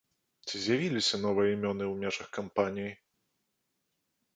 Ці з'явіліся новыя імёны ў межах кампаніі?